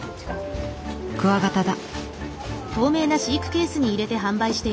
クワガタだ。